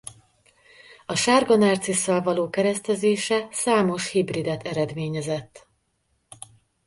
A sárga nárcisszal való keresztezése számos hibridet eredményezett.